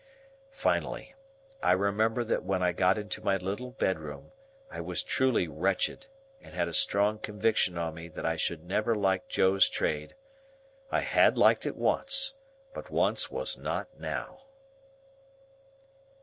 Finally, I remember that when I got into my little bedroom, I was truly wretched, and had a strong conviction on me that I should never like Joe's trade. I had liked it once, but once was not now.